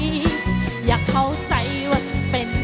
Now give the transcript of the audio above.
ฮุยฮาฮุยฮารอบนี้ดูทางเวที